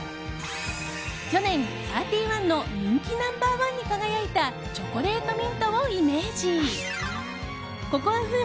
去年、サーティワンの人気ナンバー１に輝いたチョコレートミントをイメージ。